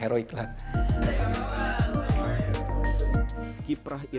kiprah irfan amali menyebarkan nilai yang terbaik di dunia ini